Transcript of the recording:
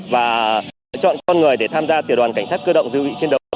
và lựa chọn con người để tham gia tiểu đoàn cảnh sát cơ động dự bị chiến đấu